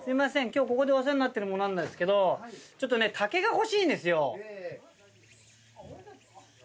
今日ここでお世話になってる者なんですけど竹が欲しいんですよ。